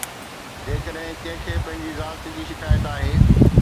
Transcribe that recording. جيڪڏهن ڪنهن کي پنهنجي ذات جي شڪايت آهي.